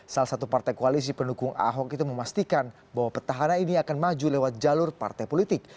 salah satu partai koalisi pendukung ahok itu memastikan bahwa petahana ini akan maju lewat jalur partai politik